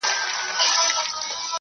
فقط علم او هنر دی چي همېش به جاویدان وي,